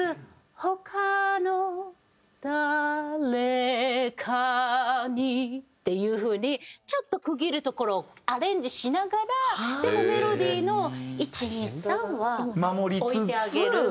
「他の誰かに」っていう風にちょっと区切るところをアレンジしながらでもメロディーの１２３は置いてあげるみたいな。